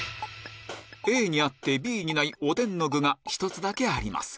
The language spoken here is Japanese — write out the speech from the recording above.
ＡにあってＢにないおでんの具が１つだけあります